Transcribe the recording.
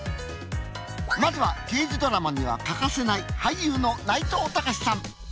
まずは刑事ドラマには欠かせない俳優の内藤剛志さん。